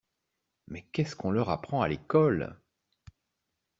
Mais qu’est-ce qu’on leur apprend à l’école?